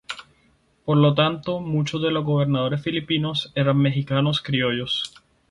Por lo tanto muchos de los gobernadores filipinos eran mexicano-criollos.